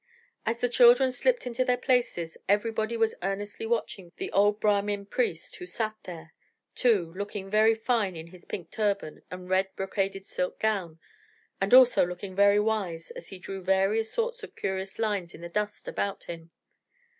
As the children slipped into their places, everybody was earnestly watching the old Brahmin priest who sat there, too, looking very fine in his pink turban and red brocaded silk gown; and also looking very wise as he drew various sorts of curious lines in the dust about him.